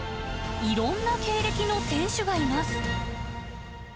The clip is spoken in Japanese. いろんな経歴の選手がいます。